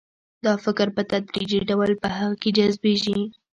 دا فکر په تدریجي ډول په هغه کې جذبیږي